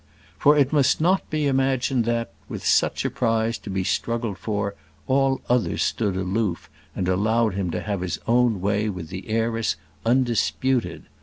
For it must not be imagined that, with such a prize to be struggled for, all others stood aloof and allowed him to have his own way with the heiress, undisputed.